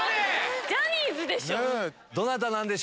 ジャニーズでしょ？